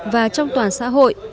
và trong toàn xã hội